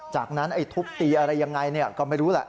จากนั้นไอ้ทุบตีอะไรยังไงก็ไม่รู้แหละ